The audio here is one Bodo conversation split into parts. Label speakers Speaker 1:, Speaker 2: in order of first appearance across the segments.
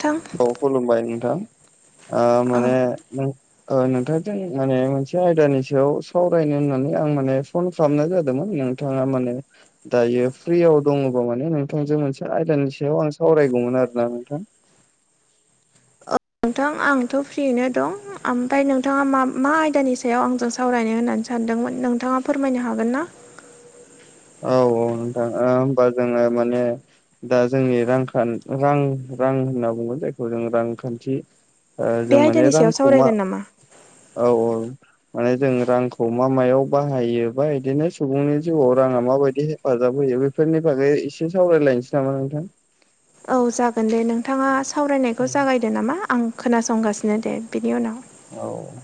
Speaker 1: थां।
Speaker 2: औ खुलुमबाय नोंथां
Speaker 1: औ
Speaker 2: माने नों नोंथांजों माने मोनसे आयदानि सायाव सावरायनो होननानै आं माने फन खामनाय जादोंमोन नोंथाङा माने दायो फ्रियाव दङबा माने नोंथांजों मोनसे आयदानि सायाव आं सावरायगौमोन आरोना नोंथां।
Speaker 1: नोंथां आंथ' फ्रियैनो दं ओमफ्राय नोंथाङा मा मा आयदानि सायाव आंजों सावरायनो होननानै सानदोंमोन नोंथाङा फोरमायनो हागोन ना?
Speaker 2: औ-औ नोंथाङा होमबा जोङो माने दा जोंनि रांखान रां-रां होनना बुंगोन जायखौ जों रांखान्थि
Speaker 1: बे
Speaker 2: जों माने
Speaker 1: आयदानि सायाव
Speaker 2: रांखौ मा
Speaker 1: सावरायगोन नामा
Speaker 2: औ औ माने जों रांखौ मा मायाव बाहायो बा बिदिनो सुबुंनि जिउआव राङा माबायदि हेफाजाब होयो बेफोरनि बागै एसे सावरायलायनोसै नामा नोंथां?
Speaker 1: औ जागोन दे नोंथाङा सावरायनायखौ जागायदो नामा आं खोनासंगासिनो दे बिनि उनाव
Speaker 2: औ औ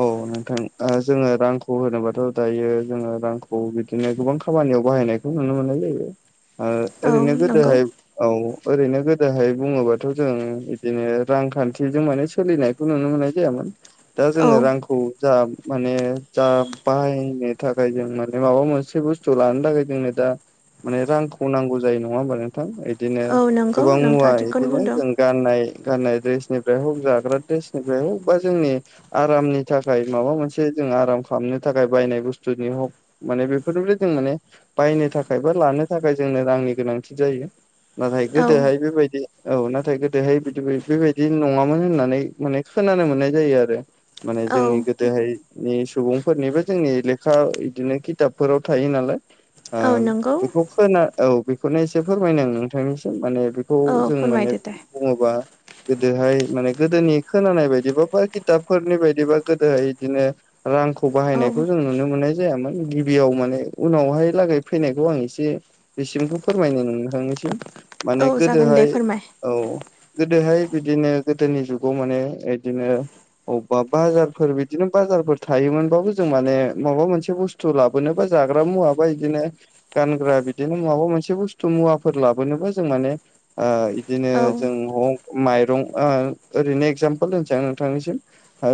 Speaker 2: औ नोंथां जोङो रांखौ होनोबाथ' दायो जोङो रांखौ बिदि बिदिनो गोबां खामानियाव बाहायनायखौ नुनो मोननाय जायो ओ
Speaker 1: औ
Speaker 2: ओरैनो
Speaker 1: नंगौ
Speaker 2: गोदोहाय औ ओरैनो गोदोहाय बुङोबाथ' जों बिदिनो रांखान्थिजों माने सोलिनायखौ नुनो मोननाय जायामोन। दा
Speaker 1: औ
Speaker 2: जोङो रांखौ जा माने जा बाहायनो थाखाय जों माने माबा मोनसे बुस थु लानो थाखाय जोंनो दा माने रांखौ नांगौ जायो नङा होनबा नों थां बिदिनो
Speaker 1: औ नंगौ
Speaker 2: गोबां मुवा
Speaker 1: नोंथाङा थिगखौनो
Speaker 2: बिदिनो
Speaker 1: बुंदों
Speaker 2: जों गाननाय गाननाय ड्रेसनिफ्राय हक जाग्रा द्रेसनिफ्राय हक बा जोंनि आरामनि थाखाय माबा मोनसे जों आराम खालामनो थाखाय बायनाय बुस्थुनि हक माने बेफोरबाय जों माने बायनो थाखाय बा लानो थाखाय जोंनो रांनि गोनांथि जायो। नाथाय
Speaker 1: औ
Speaker 2: गोदोहाय बेबायदि औ नाथाय गोदोहाय बिदि बेबायदि नङामोन होननानै माने खोनानोमोन नाय जायो आरो माने
Speaker 1: औ
Speaker 2: जोंनि गोदोहायनि सुबुंफोरनिबो जोंनि लेखा बिदिनो खिथाबफोराव थायो नालाय
Speaker 1: औ नंगौ
Speaker 2: बेखौ खोना औ बेखौनो एसे फोरमायन नोंथांनिसिम माने खौ
Speaker 1: औ
Speaker 2: जों माने
Speaker 1: फोरमायदो दे
Speaker 2: बुङोबा गोदोहाय माने गोदोनि खोनानाय बायदिबा खिथाबफोरनि बायदिबा गोदोहाय बिदिनो रांखौ
Speaker 1: औ
Speaker 2: बाहायनायखौ जों नुनो मोननाय जायामोन गिबियाव माने उनावहाय लागै फैनायखौ आं एसे बिसिमखौ फोरमायनो नोंथांनिसिम
Speaker 1: औ
Speaker 2: माने
Speaker 1: जागोन दे
Speaker 2: गोदोहाय
Speaker 1: फोरमाय
Speaker 2: औ गोदोहाय बिदिनो गोदोनि जुगाव माने बिदिनो अबेबा बाजारफोर बिदिनो बाजारफोर थायोमोनबाबो जों माने माबा मोनसे बुस्थु बुस्थ' लाबोनोबा जाग्रा मुवाबा बिदिनो गानग्रा बिदिनो माबा मोनसे बुस्थु मुवाफोर लाबोनोबा जों माने इदिनो
Speaker 1: औ
Speaker 2: जों हक माइरं ओरैनो एगजामपोल होनोसै आ नोंथांनिसिम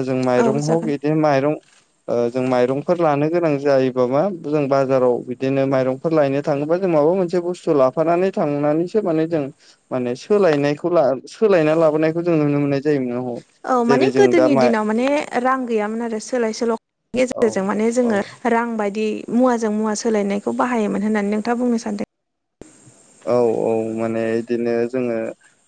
Speaker 2: जों
Speaker 1: औ
Speaker 2: माइरं हग
Speaker 1: जागोन
Speaker 2: बिदिनो माइरं जों माइरंफोर लानो गोनां जायोबा मा जों बाजाराव बिदिनो माइरंफोर लायनो थाङोबा जों माबा मोनसे बुस्थु लाफानानै थांनानैसो माने जों माने सोलायनायखौ सोलायना लाबोनायखौ जों नुनो मोननाय जाय नोंनाव ह
Speaker 1: औ माने गोदोनि दिनाव माने रां गैयामोन आरो सोलाय सोल'नि
Speaker 2: औ
Speaker 1: गेजेरजों माने
Speaker 2: औ
Speaker 1: जोङो रां बायदि मुवाजों मुवा सोलायनायखौ बाहायोमोन होननानै नोंथाङा बुंनो सानदों
Speaker 2: औ-औ माने बिदिनो जोङो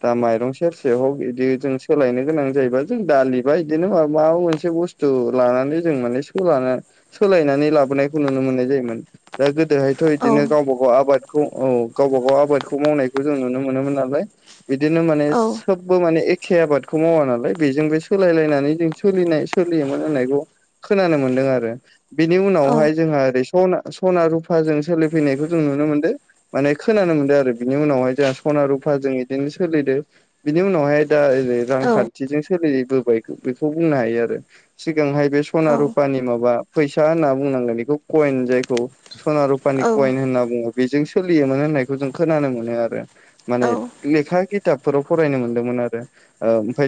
Speaker 2: दा माइरं सेरसे हग बिदि जों सोलायनो गोनां जायोबा जों दालिबा बिदिनो मा माबा मोनसे बुस्थु बस्थु लानानै जों मोनैसोखौ लानानै सोलायनानै लाबोनायखौ नुनो मोननाय जायोमोन दा गोदोहायथ' बिदिनो
Speaker 1: औ
Speaker 2: गावबा गाव आबादखौ औ गावबा गाव आबादखौ मावनायखौ जों नुनो मोनोमोन नालाय बिदिनो माने
Speaker 1: औ
Speaker 2: सोबबो माने एखे आबादखौ मावा नालाय बेजोंबो सोलायलायनानै जों सोलिनाय सोलियोमोन होननायखौ खोनानो मोनदों आरो बेनि
Speaker 1: औ
Speaker 2: उनावहाय जोंहा ओरै सना सना-रुफाजों सोलिफैनायखौ जों नुनो मोनदों। माने खोनानो मोन्दों आरो बिनि उनावहाय जोंहा सना-रुफा जों बिदिनो सोलिदों। बिनि उनावहाय दा ओरै
Speaker 1: औ
Speaker 2: रांखान्थिजों सोलिबोबाय बेखौ बुंनो हायो आरो सिगांहाय बे सना
Speaker 1: औ
Speaker 2: रुपानि माबा फैसा होनना बुंनांगोन बेखौ कइन जायखौ सना रुपानि
Speaker 1: औ
Speaker 2: कइन होनना बुङो बेजों सोलियोमोन होननायखौ जों खोनानो मोनो आरो माने
Speaker 1: औ
Speaker 2: लेखा खिथाबफोराव फरायनो मोनदोंमोन आरो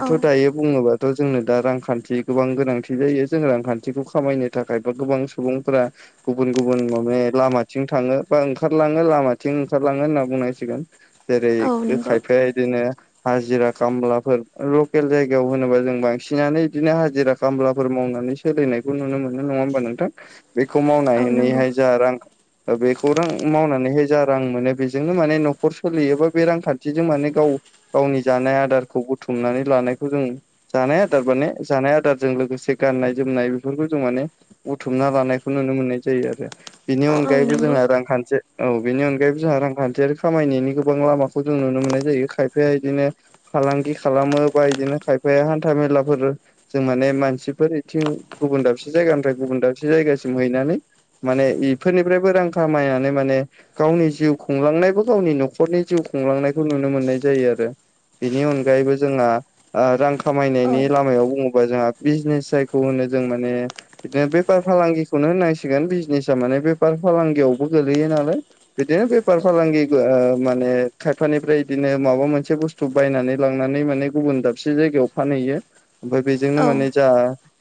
Speaker 1: औ
Speaker 2: दायो बुङोबाथ' जोंनो दा रांखान्थि गोबां गोनांथि जायो जों रांखान्थिखौ खामायनो थाखाय बा गोबां सुबुंफोरा गुबुन गुबुन माने लामाथिं थाङो बा ओंखारलाङो। लामाथिं ओंखारलाङो होनना बुंनांसिगोन जेरै
Speaker 1: औ नंगौ
Speaker 2: खायफाया बिदिनो हाजिरा खामलाफोर लकेल जायगायाव होनोबा जों बांसिनानो बिदिनो हाजिरा खामलाफोर मावनानै सोलिनायखौ नुनो मोनो नङा होमबा नोंथां? बेखौ
Speaker 1: औ नंगौ
Speaker 2: मावनानैहाय जा रां बेखौ रां मावनानै माने हाय जा रां मोनो बेजोंनो माने न'खर सोलियोबा बे रांखान्थिजों माने गाव गावनि जानाय आदारखौ बुथुमनानै लानायखौ जों जानाय आदार माने जानाय आदारजों लोगोसे गाननाय जोमनाय बेफोरखौ जों माने बुथुमना लानायखौ नुनो मोननाय जायो आरो बेनि
Speaker 1: औ
Speaker 2: अनगायैबो
Speaker 1: नंगौ
Speaker 2: जोंहा रांखान्थि औ बेनि अनगायैबो जोंहा रांखान्थियारि खामायनायनि गोबां लामाखौ जों नुनो मोननाय जायो खायफाया बिदिनो फालांगि खालामो बा बिदिनो खायफाया हान्था मेलाफोर जों माने मानसिफोर बिथिं गुबुन दाबसे जायगानिफ्राय गुबुन दाबसे जायगासिम हैनानै माने इफोरनिफ्रायबो रां खामायनानै माने गावनि जिउ खुंलांनायबो गावनि न'खरनि जिउ खुंलांनायखौ नुनो मोननाय जायो आरो बिनि अनगायैबो जोंहा ओ रां
Speaker 1: औ
Speaker 2: खामायनायनि आ लामायाव बुङोबा जोंहा बिजनेस जायखौ होनो जों माने बिदिनो बेफार फालांगिखौनो होननांसिगोन बिजनेसा माने बेफार फालांगियावबो गोलैयो नालाय बिदिनो बेफार फालांगि माने खायफानिफ्राय बिदिनो माबा मोनसे बुस्थु बायनानै लांनानै माने गुबुन दाबसे जायगायाव फानहैयो ओमफ्राय बेजोंनो
Speaker 1: औ
Speaker 2: माने जा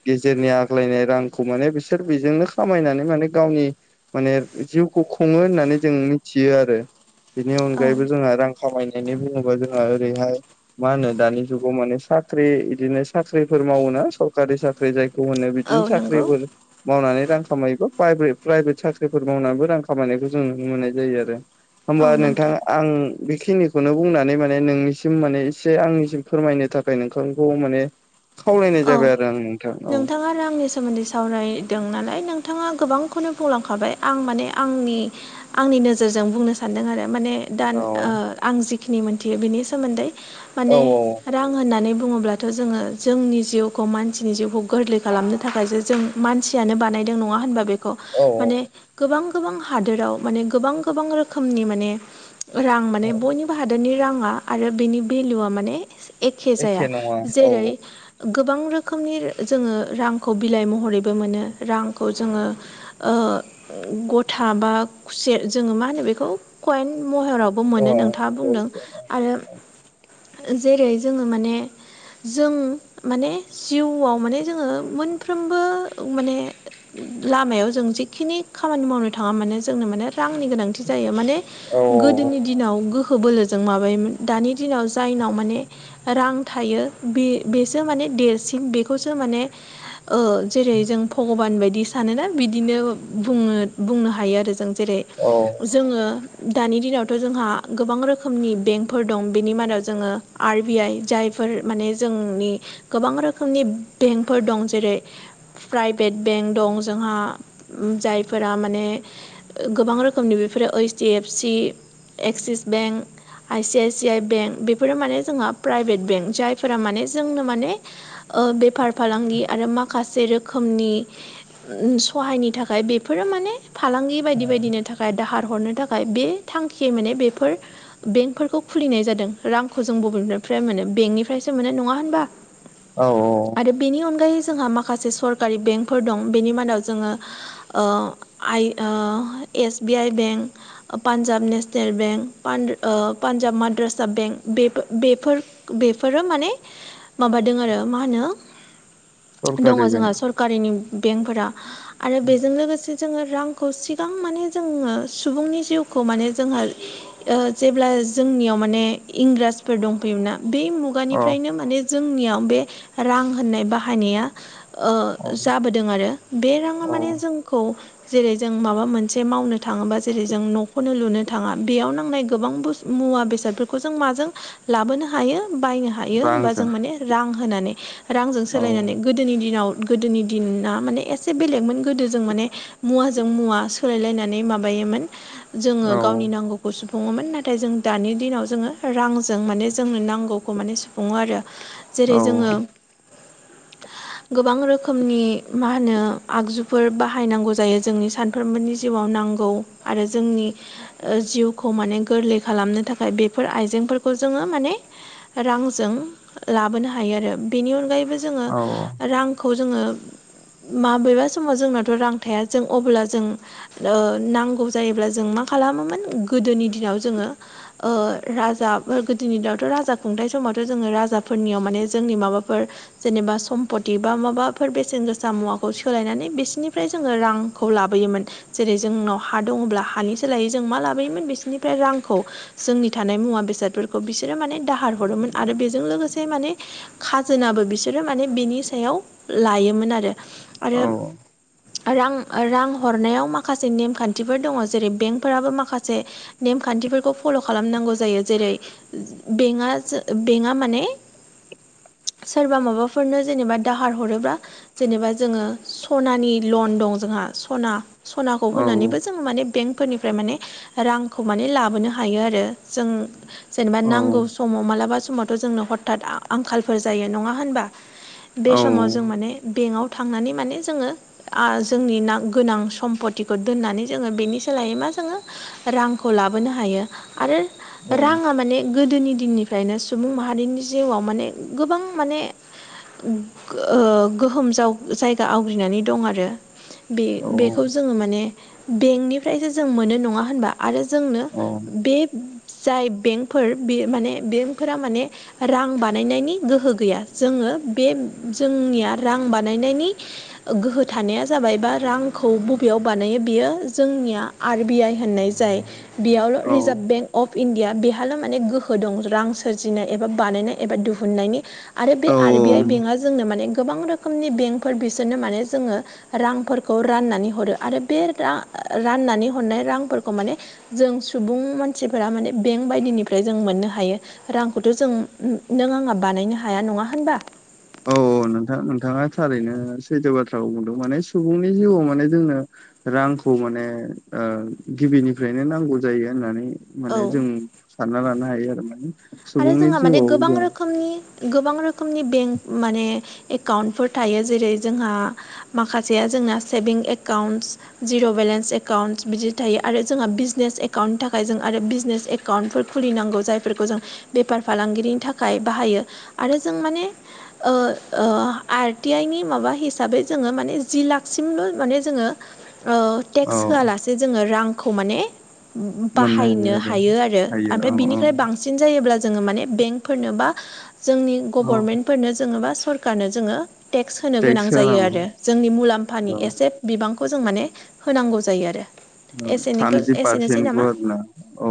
Speaker 2: गेजेरनि आग्लायनाय रांखौ माने बिसोर बेजोंनो खामायनानै माने गावनि माने जिउखौ खुङो होननानै जों मिथियो आरो बिनि
Speaker 1: औ
Speaker 2: अनगायैबो जोंहा रां खामायनानै बुङोबा जोंहा ओरैहाय मा होनो दानि जुगाव माने साख्रि बिदिनो साख्रिफोर मावोना सरखारि साख्रि जायखौ मोनो
Speaker 1: औ
Speaker 2: बिदिनो
Speaker 1: नंगौ
Speaker 2: साख्रिबो मावनानै रां खामायोबा प्राइभे प्राइभेट साख्रिफोर मावनानैबो रां खामायनायखौ जोङो नुनो मोननाय जायो आरो होमबा नोंथां आं बेखिनिखौनो बुंनानै माने नोंनिसिम माने एसे आंनिसिम फोरमायनो थाखाय नोंथांखौ माने खावलायनाय
Speaker 1: औ
Speaker 2: जाबाय आरो आं नोंथां औ
Speaker 1: नोंथाङा रांनि सोमोन्दै सावरायदों नालाय नोंथाङा गोबांखौनो बुंलांखाबाय आं माने आंनि आंनि नोजोरजों बुंनो सानदों आरो माने दा
Speaker 2: औ
Speaker 1: ओ आं जिखिनि मोनथियो बिनि सोमोन्दै
Speaker 2: औ
Speaker 1: माने रां होननानै बुङोब्लाथ' जोङो जोंनि जिउ मानसिनि जिउखौ गोरलै खालामनो थाखायसो जों मानसियानो बानायदों नङा होनबा बे
Speaker 2: औ
Speaker 1: माने गोबां गोबां हादोराव माने गोबां गोबां रोखोमनि माने रां माने
Speaker 2: औ
Speaker 1: बयनिबो हादोरनि राङा आरो बेनि भेलुआ माने एखे जाया
Speaker 2: नङा औ
Speaker 1: जेरै गोबां रोखोमनि जोङो रांखौ बिलाइ महरैबो मोनो रांखौ जोङो ओ गथा बा खुसे जोङो मा होनो बेखौ कयेन महराव
Speaker 2: औ
Speaker 1: मोनो नोंथाङा बुंदों आरो जेरै जोङो माने जों माने जिउआव माने जोङो मोनफ्रोमबो माने लामायाव जों जिखिनि खामानि मावनो थाङा माने जोंनो माने रांनि गोनांथि जायो माने
Speaker 2: औ
Speaker 1: गोदोनि दिनाव गोहो बोलोजों माबायोमोन दानि दिनाव जायनाव माने रां थायो बे बेसे मे देरसिन बेखौसो मान जेरै जों भगान बायदि सानोना बिदिनो बुंनो हायो आरो जों जेरै
Speaker 2: औ
Speaker 1: जोङो दानि दिनावथ' जोंहा गोबां रोखोमनि बेंकफोर दं बेनि मादाव जोङो आर बि आइ जायफोर माने जोंनि गोबां रोखोमनि बेंकफोर दं जेरै प्राइभेट बेंक दं जोंहा जायफोरा माने गोबां रोखोमनि बेफोरो ओइस D F C Axis bank IC I C I bank बेफोरो माने जोंहा प्राइभेट बेंक जायफोरा माने जोंनो माने बेफार फालांगि आरो माखासे रोखोमनि सहायनि थाखाय बेफोरो माने फालांगि बायदि बायदिनो थाखाय दाहार हरनो थाखाय बे थांखियै माने बेफोर बेंकफोरखौ खुलिनाय जादों रांखौ जों बबेनिफ्राय मोनो बेंकनिफ्रायसो मोनो नङा होनबा
Speaker 2: औ औ
Speaker 1: आरो बेनि अनगायै जोंहा माखासे सरकारि बेंकफोर दं बेनि मादाव जोङो ओ आइ S B I bank Punjab national bank Punjab माद्रासा बेंक बे बेफोर बेफोरो माने माबादों आरो मा होनो दङ
Speaker 2: सरकारि
Speaker 1: जोंहा
Speaker 2: बेंक
Speaker 1: सरकारिनि बेंकफोरा आरो बेजों लोगोसे जोङो रांखौ सिगां माने जोङो सुबुंनि जिउखौ माने जोंहा जेब्ला जोंनियाव माने इंराजफोर दंफैयोमोना बे मु
Speaker 2: अ
Speaker 1: खुगाफ्रायनो माने जोंनियाव बे रां होननाय बाहायनाया ओ
Speaker 2: औ
Speaker 1: जाबोदों आरो बे राङा माने
Speaker 2: औ
Speaker 1: जोंखौ जेरै जों माबा मोनसे मावनो थाङोबा जेरै जों न'खौनो लुनो थाङा बेयाव नांनाय गोबां बुस्थु मुवा बेसादफोरखौ जों माजों लाबोनो हायो बायनो हायो हायो होनबा जों
Speaker 2: रांजों
Speaker 1: मान रां होनानै रांजों
Speaker 2: औ
Speaker 1: सोलायनानै गोदोनि दिनाव गोदोनि दिना माने एसे बेलेगमोन गोदोजों माने मुवाजों मुवा सोलायलायनानै माबायोमोन
Speaker 2: औ
Speaker 1: जोङो गावनि नांगौखौ खौ सुफुङोमोन नाथाय जों दानि दिनाव जोङो रांजों माने जोंनो नांगौखौ माने सुफुङो आरो जेरै
Speaker 2: औ
Speaker 1: जोङो
Speaker 2: [unintelligible]
Speaker 1: गोबां रोखोमनि मा होनो आगजुफोर बाहायनांगौ जायो जोंनि सानफ्रोमबोनि जिउआव नांगौ आरो जोंनि जिउखौ माने गोरलै खालामनो थाखाय बेफोर आइजेंफोरखौ जोङो माने रांजों लाबोनो हायो आरो बेनि अनगायैबो जोङो
Speaker 2: औ
Speaker 1: रांखौ जोङो माबेबा समाव जोंनाथ' रां थाया जों अब्ला जों नांगौ जायोब्ला जों मा खालामोमोन गोदोनि दिनाव जोङो ओ राजा गोदोनि दिनावथ' राजा खुंथाइ समावथ' जोङो राजा राजाफोरनियाव माने जोंनि माबाफोर जेनेबा सम्पती बा माबाफोर बेसेन गोसा मुवाखौ सोलायनानै बिसोरनिफ्राय जोङो रां खौ लाबोयोमोन जेरै जोंनाव हा दङब्ला हानि सोलायै जों मा लाबोयोमोन बिसोरनिफ्राय रांखौ जोंनि थानाय मुवा बेसादफोरखौ बिसोरो माने दाहार हरोमोन आरो बेजों लोगोसे से माने खाजोनाबो बिसोरो माने बिनि सायाव लायोमोन आरो
Speaker 2: औ
Speaker 1: आरो रां रां हरनायाव माखासे नेमखान्थिफोर दङ जेरै बेंकफोराबो माखासे नेमखान्थिफोरखौ फल' खालामनांगौ जायो जेरै बेंकआ बेंकआ माने सोरबा माबाफोरनो जेनेबा दाहार हरोब्ला जेनेबा जोङो सनानि लन दं जोंहा सना सनाखौ
Speaker 2: औ
Speaker 1: होनानैबो जों माने बेंकफोरनिफ्राय माने रांखौ माने लाबोनो हायो आरो जों जेनेबा नांगौ समाव मालाबा समावथ' जोंनो हथात आंखालफोर जायो नङा होनबा बे समाव जों माने बेंकआव थांनानै माने जोङो जोंनि ना गोनां सम्पतिखौ दोननानै जोङो बेनि सोलायै मा जोङो रांखौ लाबोनो हायो आरो राङा माने गोदोनि दिननिफ्रायनो सुबुं माहारिनि जिउआव माने गोबां माने गोहोम जायगा आवग्रिनानै दं आरो बे बेखौ जोङो माने बेंकनिफ्रायसो जों मोनो नङा होनबा आरो जोंनो
Speaker 2: औ
Speaker 1: बे जाय बेंकफोर बे माने बेंफोरा माने रां बानायनायनि गोहो गैया जोङो बे जोंनिया रां बानायनायनि गोहो थानाया जाबाय बा रांखौ बबेयाव बानायो बियो जोंनिया आर बि आइ होननाय जाय बेयावल' रिजार्भ बेंक अफ इण्डिया बेहाल' माने गोहो दं रां सोरजिनाय एबा एबा बानायनाय एबा दिहुननायनि आरो बे आर बि
Speaker 2: औ
Speaker 1: आइ
Speaker 2: औ
Speaker 1: बेंकआ जोंनो माने गोबां रोखोमनि बेंकफोर बिसोरनो माने जोङो रांफोरखौ राननानै हरो आरो बे रां राननानै हरनाय रांफोरखौ माने जों सुबुं मानसिफोरा माने बेंक बायदिनिफ्राय जों मोननो हायो रां खौथ' जों नों आंना बानायनो हाया नङा होनबा
Speaker 2: औ नोंथां नोंथाङा थारैनो सैथो बाथ्राखौ बुंदों माने सुबुंनि जिउआव माने जोंनो रांखौ माने गिबिनिफ्रायनो नांगौ जायो होननानै माने
Speaker 1: औ
Speaker 2: जों सानना लानो हायो आरो माने
Speaker 1: आरो
Speaker 2: सुबुंनि
Speaker 1: जोंहा माने
Speaker 2: जिउआव
Speaker 1: गोबां
Speaker 2: जों
Speaker 1: रोखोमनि गोबां रोखोमनि बेंक माने एकाउन्टफोर थायो जेरै जोंहा माखासेया जोंना सेभिं एकाउन्टस जिर' बेलेन्स एकाउन्टस बिदि थायो आरो जोंहा बिजनेस एकाउन्टनि थाखाय जों आरो बिजनेसकन् एकाउन्टफोर खुलिनांगौ जायफोरखौ जों बेफार फालांगिरिनि थाखाय बाहायो आरो जों माने आरटि आइ नि माबा हिसाबै जोङो माने जि लाखसिमल' माने जोङो
Speaker 2: औ
Speaker 1: टेक्स होआलासे जोङो रांखौ माने
Speaker 2: मोननो
Speaker 1: बाहायनो हायो आरो
Speaker 2: हायो औ
Speaker 1: ओमफ्राय
Speaker 2: औ
Speaker 1: बिनिफ्राय बांसिन बांसिन जायोब्ला जोङो माने बेंकफोरनो बा जोंनि
Speaker 2: औ
Speaker 1: गभर्नमेन्ट फोरनो जोङबा सरखारारनो जोङो टेक्स होनो गोनां जायो आरो जोंनि मुलाम्फानि
Speaker 2: औ
Speaker 1: एसे बिबांखौ जों माने होनांगौ जायो आरो
Speaker 2: थामजि
Speaker 1: एसेनोसै
Speaker 2: पारसेन्टखौ
Speaker 1: नामा
Speaker 2: आरो ना औ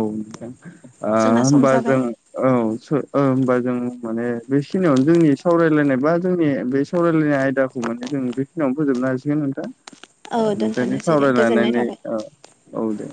Speaker 1: जोंना सम
Speaker 2: हबा
Speaker 1: जाबाय
Speaker 2: जों औ औ होमबा जों माने बेखिनियावनो जोंनि सावरायलायनाय बा जोंनि बे सावरायलायनाय आयदा माने जों बेखिनियावनो फोजोबनो हासिगोन नोंथां
Speaker 1: औ
Speaker 2: नोंथांनि
Speaker 1: दोनथ'नोसै दे गोजोननाय
Speaker 2: सावरायलायनानै
Speaker 1: थाबाय
Speaker 2: आ औ द